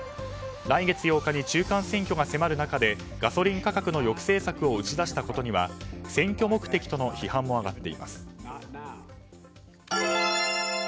来月８日に中間選挙が迫る中でガソリン価格の抑制策を打ち出したことには選挙目的との批判も上がっています。